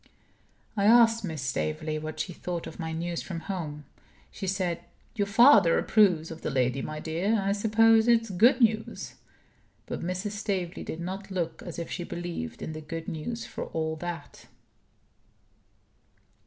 I asked Mrs. Staveley what she thought of my news from home. She said: "Your father approves of the lady, my dear. I suppose it's good news." But Mrs. Staveley did not look as if she believed in the good news, for all that.